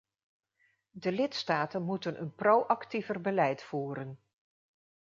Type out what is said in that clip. De lidstaten moeten een pro-actiever beleid voeren.